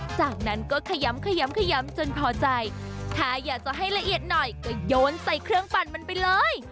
จากนั้นก็ขยำขยำขยำจนพอใจถ้าอยากจะให้ละเอียดหน่อยก็โยนใส่เครื่องปั่นมันไปเลย